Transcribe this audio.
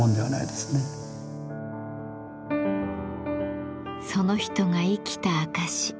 その人が生きた証し。